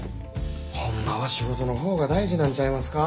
ホンマは仕事の方が大事なんちゃいますか？